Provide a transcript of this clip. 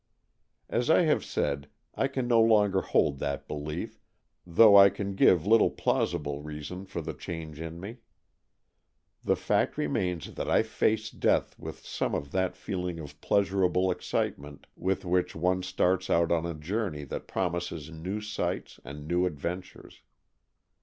As I have said, I can no longer hold that belief, though I can give little plausible reason for the change in me. The fact remains that I face death with some of that feeling of pleasurable excitement with which one starts out on a journey that promises new sights and new adventures.